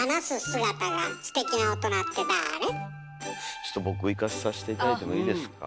ちょっと僕いかさせて頂いてもいいですか？